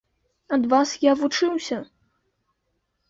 Ад вас я вучыўся.